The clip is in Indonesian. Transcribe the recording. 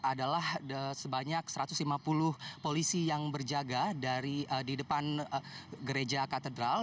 adalah sebanyak satu ratus lima puluh polisi yang berjaga di depan gereja katedral